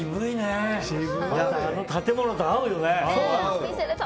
あの建物と合うよね。